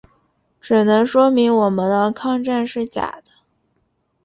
只能说明我们的抗战是假的。